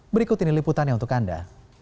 berikut ini liputannya untuk anda